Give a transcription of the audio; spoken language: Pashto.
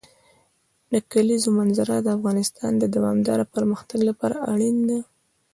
د کلیزو منظره د افغانستان د دوامداره پرمختګ لپاره اړین دي.